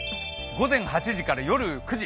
午前８時から夜９時。